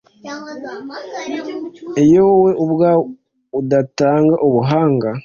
iyo wowe ubwawe udatanga Ubuhanga,